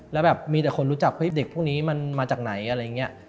แล้วแบบมีแต่คนรู้จักเฮ้ยเด็กพวกนี้มันมาจากไหนอะไรอย่างนี้